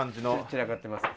散らかってます。